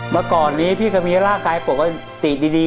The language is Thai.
มาก่อนนี้พี่กำลังมีร่างกายปกติดี